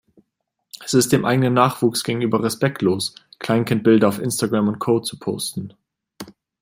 Es ist dem eigenen Nachwuchs gegenüber respektlos, Kleinkindbilder auf Instagram und Co. zu posten.